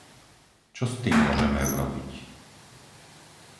Čo s tým môžeme urobiť?